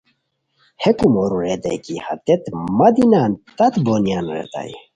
ہے کومورو ریتائے کی ہتیت مہ دی نان تت بونیا؟ ریتائے